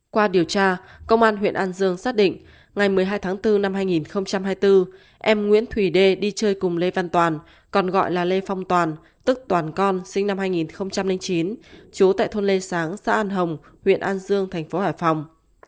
qua điều tra công an huyện an dương xác định ngày một mươi hai tháng bốn năm hai nghìn hai mươi bốn em nguyễn thùy đê đi chơi cùng lê văn toàn còn gọi là lê phong toàn tức toàn con sinh năm hai nghìn chín chú tại thôn lê sáng xã an hồng huyện an dương thành phố hải phòng